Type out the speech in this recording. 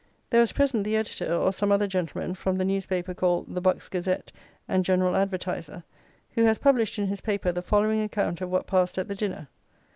There was present the editor, or some other gentleman, from the newspaper called The Bucks Gazette and General Advertiser, who has published in his paper the following account of what passed at the dinner.